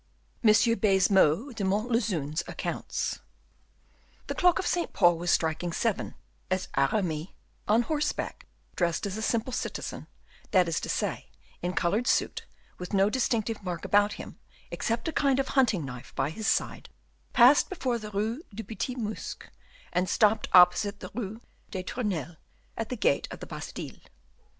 M. Baisemeaux de Montlezun's Accounts. The clock of St. Paul was striking seven as Aramis, on horseback, dressed as a simple citizen, that is to say, in colored suit, with no distinctive mark about him, except a kind of hunting knife by his side, passed before the Rue du Petit Musc, and stopped opposite the Rue des Tournelles, at the gate of the Bastile.